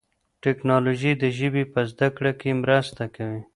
تکنالوژي د ژبي په زده کړه کي مرسته کوي.